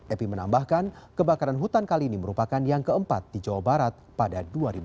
epi menambahkan kebakaran hutan kali ini merupakan yang keempat di jawa barat pada dua ribu dua puluh